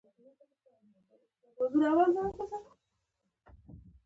د هغه چا سره دی چې د کتابونو لویه المارۍ لري.